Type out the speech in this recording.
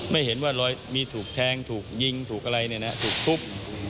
ไม่เห็นว่ามีถูกแทงถูกยิงถูกอะไรถูกทุบ